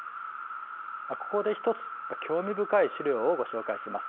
ここで一つ興味深い資料をご紹介します。